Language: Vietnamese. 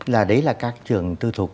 là đấy là các trường tư thuộc